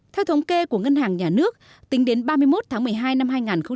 theo thống kê của ngân hàng nhà nước tính đến ba mươi một tháng một mươi hai năm hai nghìn một mươi chín